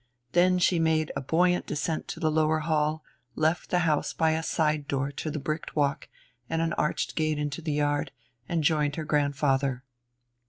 Then she made a buoyant descent to the lower hall, left the house by a side door to the bricked walk and an arched gate into the yard, and joined her grandfather.